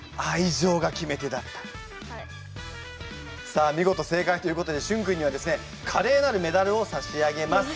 さあ見事正解ということでしゅん君にはですねカレーなるメダルを差し上げます。